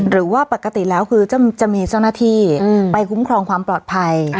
หรือว่าปกติแล้วคือจะมีเจ้าหน้าที่ไปคุ้มครองความปลอดภัย